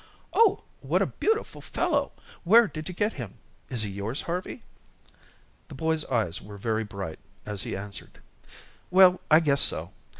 "Oh, what a beautiful fellow. Where did you get him? Is he yours, Harvey?" The boy's eyes were very bright as he answered: "Well, I guess so.